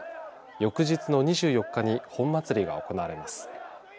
翌日の２４日に本祭りが行われます。